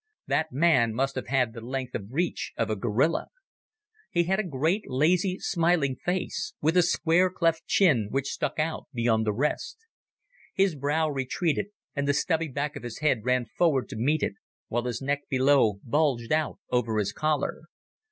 That man must have had the length of reach of a gorilla. He had a great, lazy, smiling face, with a square cleft chin which stuck out beyond the rest. His brow retreated and the stubby back of his head ran forward to meet it, while his neck below bulged out over his collar.